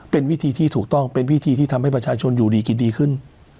เป็นวิธีที่ถูกต้องเป็นวิธีที่ทำให้ประชาชนอยู่ดีกินดีขึ้น